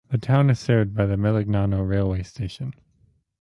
The town is served by the Melegnano railway station.